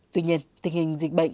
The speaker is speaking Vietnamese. tuy nhiên tình hình dịch bệnh